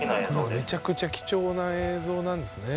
めちゃくちゃ貴重な映像なんですね。